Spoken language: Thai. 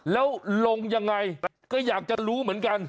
แล้วลงยังไงก็อยากจะรู้เหมือนกัน